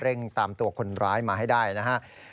เร่งตามตัวคนร้ายมาให้ได้นะฮะ